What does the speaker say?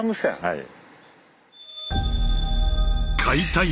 はい。